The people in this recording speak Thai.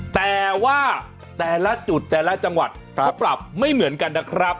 แต่ว่าแต่ละจุดแต่ละจังหวัดก็ปรับไม่เหมือนกันนะครับ